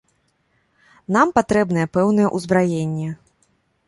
Нам патрэбныя пэўныя ўзбраенні.